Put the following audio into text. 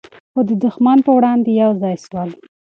خو د دښمن په وړاندې یو ځای سول.